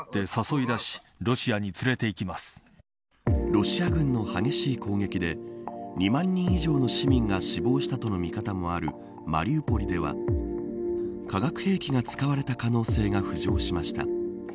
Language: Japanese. ロシア軍の激しい攻撃で２万人以上の市民が死亡したとの見方もあるマリウポリでは化学兵器が使われた可能性が浮上しました。